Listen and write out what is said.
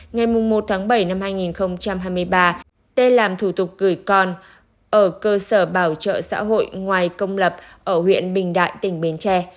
ngày một tháng bảy năm hai nghìn hai mươi ba t làm thủ tục gửi con ở cơ sở bảo trợ xã hội ngoài công lập ở huyện bình đại tỉnh bến tre